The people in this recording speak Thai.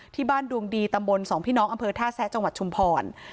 ดวงดีตำบลสองพี่น้องอำเภอท่าแซะจังหวัดชุมพร